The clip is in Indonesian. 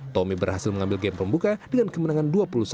tommy berhasil mengambil game pembuka dengan kemenangan dua puluh satu